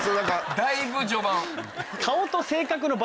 だいぶ序盤。